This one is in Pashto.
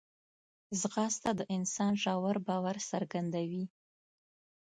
ځغاسته د انسان ژور باور څرګندوي